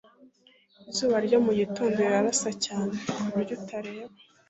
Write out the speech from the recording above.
Izuba ryo mu gitondo rirasa cyane ku buryo utareba.